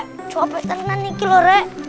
eh cuape tenang nih lo rek